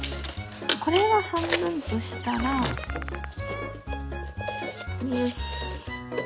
これを半分としたらよし。